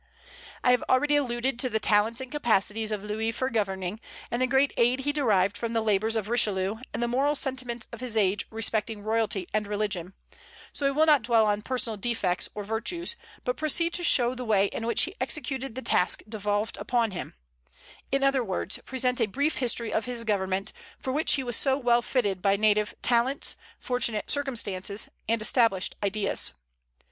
I have already alluded to the talents and capacities of Louis for governing, and the great aid he derived from the labors of Richelieu and the moral sentiments of his age respecting royalty and religion; so I will not dwell on personal defects or virtues, but proceed to show the way in which he executed the task devolved upon him, in other words, present a brief history of his government, for which he was so well fitted by native talents, fortunate circumstances, and established ideas.